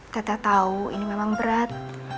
teta tau ini memang berat